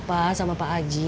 ga enak sama pak aji